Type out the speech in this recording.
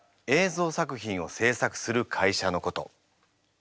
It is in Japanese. ぞう作品を制作する会社のこと。